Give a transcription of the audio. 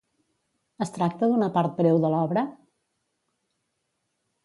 Es tracta d'una part breu de l'obra?